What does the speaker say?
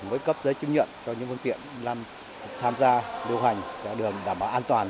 mới cấp giấy chứng nhận cho những phương tiện tham gia điều hành đảm bảo an toàn